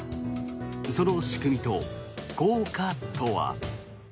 その仕組みと効果とは。